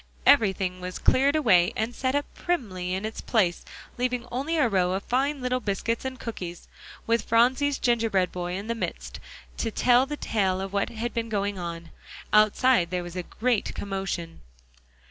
Everything was cleared away, and set up primly in its place, leaving only a row of fine little biscuits and cookies, with Phronsie's gingerbread boy in the midst, to tell the tale of what had been going on. Outside there was a great commotion.